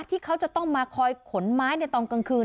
ที่เขาจะต้องมาคอยขนไม้ในตอนกลางคืน